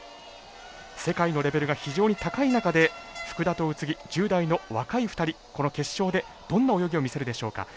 世界のレベルが非常に高い中で福田と宇津木、１０代の若い２人この決勝でどんな泳ぎを見せるでしょうか。